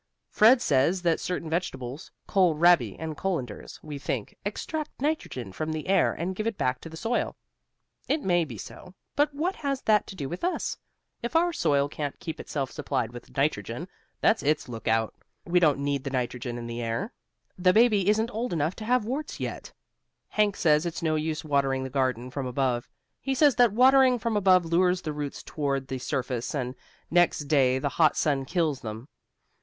Fred says that certain vegetables kohl rabi and colanders, we think extract nitrogen from the air and give it back to the soil. It may be so, but what has that to do with us? If our soil can't keep itself supplied with nitrogen, that's its lookout. We don't need the nitrogen in the air. The baby isn't old enough to have warts yet. Hank says it's no use watering the garden from above. He says that watering from above lures the roots toward the surface and next day the hot sun kills them.